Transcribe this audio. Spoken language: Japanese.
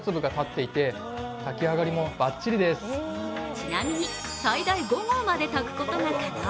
ちなみに、最大５合まで炊くことが可能。